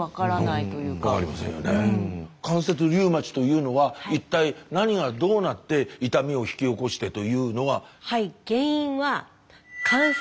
関節リウマチというのは一体何がどうなって痛みを引き起こしてというのが。